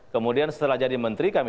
kemudian setelah jadi menteri